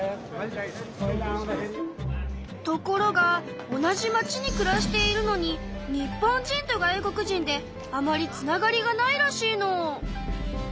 ところが同じ町にくらしているのに日本人と外国人であまりつながりがないらしいの。